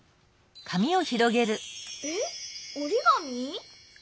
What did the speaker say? えっおりがみ？